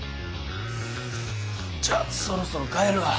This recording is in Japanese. じゃそろそろ帰るわ。